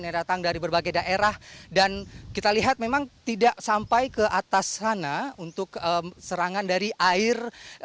yang datang dari berbagai daerah dan kita lihat memang tidak sampai ke atas sana untuk serangan dari air